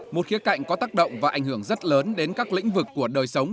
một khía cạnh có tác động và ảnh hưởng rất lớn đến các lĩnh vực của đời sống